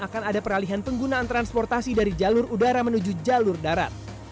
akan ada peralihan penggunaan transportasi dari jalur udara menuju jalur darat